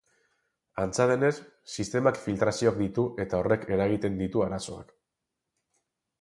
Antza denez, sistemak filtrazioak ditu eta horrek eragiten ditu arazoak.